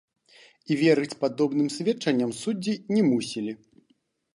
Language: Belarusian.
І верыць падобным сведчанням суддзі не мусілі.